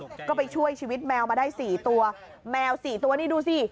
แล้วก็ไปช่วยชีวิตแมวมาได้สี่ตัวแมวสี่ตัวนี่ดูสิ